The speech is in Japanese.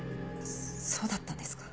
そうだったんですか。